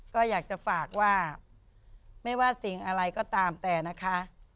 ก็อยากจะฝากว่าไม่ว่าสิ่งอะไรก็ตามแต่นะคะ